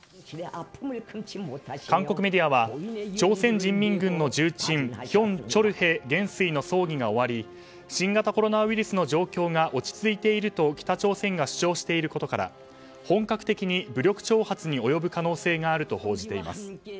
韓国メディアは朝鮮人民軍のヒョン・チョルヘ元帥の葬儀が終わり新型コロナウイルスの状況が落ち着いていると北朝鮮が主張していることから本格的に武力挑発に及ぶ可能性があると報じています。